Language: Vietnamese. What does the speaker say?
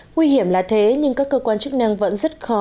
nguy hiểm là thế nhưng các cơ quan chức năng vẫn rất khó